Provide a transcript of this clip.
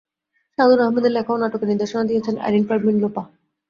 সাধনা আহমদের লেখা এ নাটকের নির্দেশনা দিয়েছেন আইরিন পারভিন লোপা।